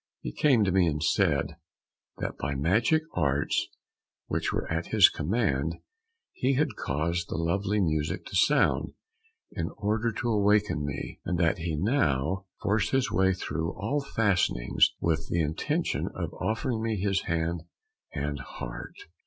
He came to me and said, that by magic arts which were at his command, he had caused the lovely music to sound in order to awaken me, and that he now forced his way through all fastenings with the intention of offering me his hand and heart.